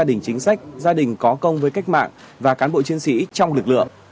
gia đình chính sách gia đình có công với cách mạng và cán bộ chiến sĩ trong lực lượng